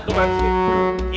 tunggu mas rikiti